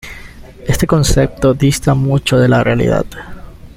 Este concepto dista mucho de la realidad.